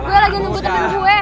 gue lagi nunggu teman gue